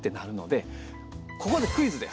ここでクイズです！